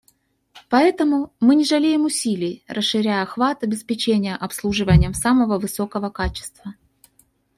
По этому мы не жалеем усилий, расширяя охват обеспечения обслуживанием самого высокого качества.